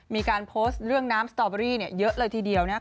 มีการโพสต์เรื่องน้ำสตอเบอรี่เยอะเลยทีเดียว